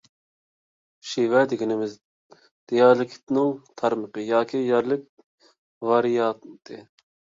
شېۋە دېگىنىمىز – دىئالېكتنىڭ تارمىقى ياكى يەرلىك ۋارىيانتى.